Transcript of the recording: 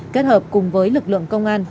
kết hợp cùng với lực lượng công an